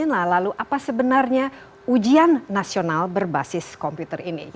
nah lalu apa sebenarnya ujian nasional berbasis komputer ini